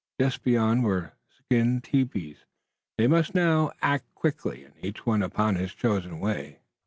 Just beyond were skin tepees. They must now act quickly, and each went upon his chosen way.